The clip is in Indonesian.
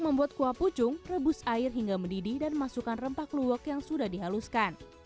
membuat kuah pucung rebus air hingga mendidih dan masukkan rempah kluwok yang sudah dihaluskan